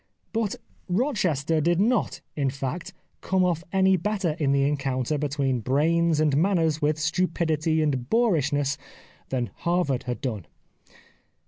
But Rochester did not, in fact, come off any better in the encounter 205 The Life of Oscar Wilde between brains and manners with stupidity and boorishness than Harvard had done.